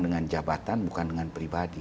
dengan jabatan bukan dengan pribadi